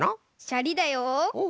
シャリだよ。